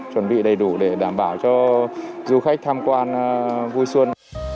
chuẩn bị đầy đủ để đảm bảo cho du khách tham quan vui xuân